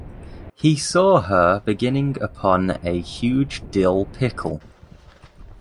He saw her beginning upon a huge dill pickle.